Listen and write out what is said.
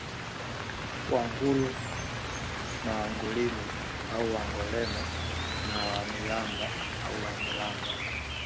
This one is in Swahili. Wangulu na Wangurimi au Wangoreme na Wanilamba au Wanyiramba